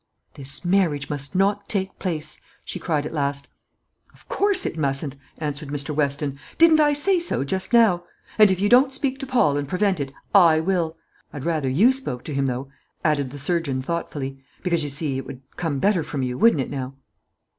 "This marriage must not take place," she cried, at last. "Of course it mustn't," answered Mr. Weston; "didn't I say so just now? And if you don't speak to Paul and prevent it, I will. I'd rather you spoke to him, though," added the surgeon thoughtfully, "because, you see, it would come better from you, wouldn't it now?"